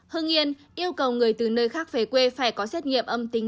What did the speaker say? hưng yên yêu cầu người từ nơi khác về quê phải có xét nghiệm âm tính